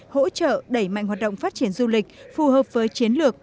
hỗ trợ đẩy mạnh hoạt động phát triển du lịch phù hợp với chiến lược